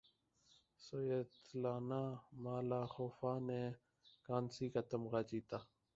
Svetlana مالاخوفا نے کانسی کا تمغہ جیتا